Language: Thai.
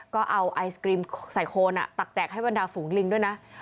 ก็เอาไอศกรีมใส่โคนตักแจกให้บรรดาฝูงลิงด้วยนะ